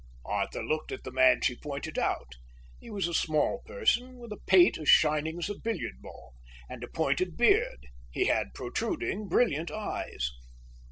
Arthur looked at the man she pointed out. He was a small person, with a pate as shining as a billiard ball, and a pointed beard. He had protruding, brilliant eyes.